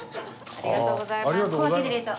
ありがとうございます。